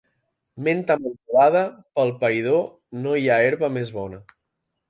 Menta mentolada, pel païdor no hi ha herba més bona.